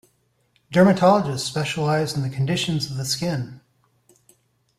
Dermatologists specialise in the conditions of the skin.